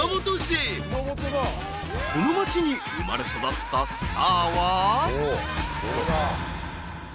［この町に生まれ育ったスターは］